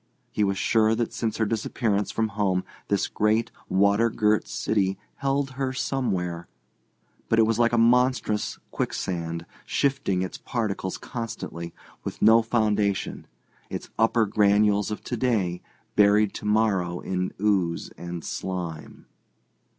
He was sure that since her disappearance from home this great, water girt city held her somewhere, but it was like a monstrous quicksand, shifting its particles constantly, with no foundation, its upper granules of to day buried to morrow in ooze and slime.